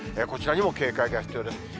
こちらにも警戒が必要です。